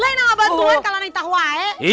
ini gak bantuan kalau kita keburu